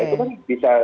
nah itu kan bisa